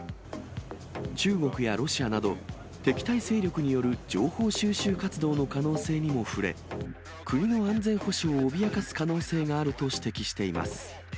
中国やロシアなど、敵対勢力による情報収集活動の可能性にも触れ、国の安全保障を脅かす可能性があると指摘しています。